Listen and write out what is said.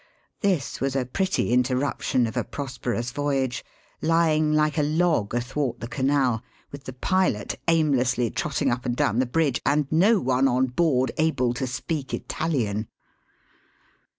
This was a pretty interruption of a prosperous voyage, lying like a log athwart the Canal, with the pilot aimlessly trotting up and down the bridge, and no one on board able to speak Italian